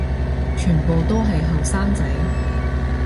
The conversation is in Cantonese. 全部都係後生仔